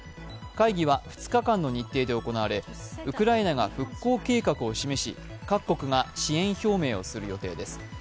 会議は２日間の日程で行われウクライナが復興計画を示し、各国が支援表明をする予定です。